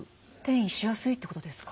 転移しやすいってことですか？